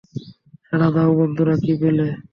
সাড়া দাও, বন্ধুরা, কী পেলে?